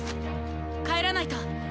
帰らないと！